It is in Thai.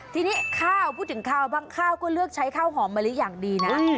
ทีนี้ข้าวพูดถึงข้าวบ้างข้าวก็เลือกใช้ข้าวหอมมะลิอย่างดีนะ